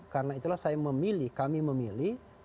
karena itulah saya memilih kami memilih